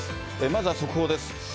まずは速報です。